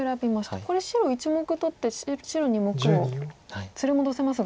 これ白１目取って白２目を連れ戻せますが。